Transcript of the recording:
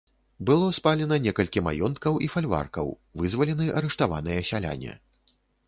Было спалена некалькі маёнткаў і фальваркаў, вызвалены арыштаваныя сяляне.